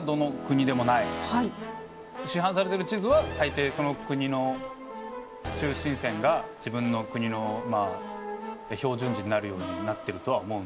市販されてる地図は大抵その国の中心線が自分の国の標準時になるようになってるとは思うんですけど見やすく。